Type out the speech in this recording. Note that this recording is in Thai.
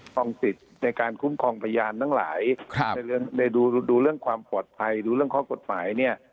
สิทธิ์ในการคุ้มครองพยานทั้งหลายในดูเรื่องความปลอดภัยดูเรื่องข้อกฎหมายเนี่ย